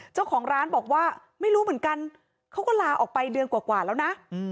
เจ้าของร้านบอกว่าไม่รู้เหมือนกันเขาก็ลาออกไปเดือนกว่าแล้วนะ